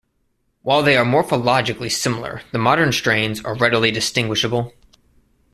While they are morphologically similar, the modern strains are readily distinguishable.